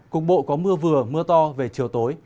cục bộ có mưa vừa mưa to về chiều tối